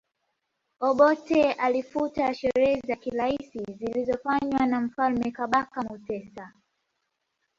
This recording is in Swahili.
Obote alifuta sherehe za kiraisi zilizofanywa na Mfalme Kabaka Mutesa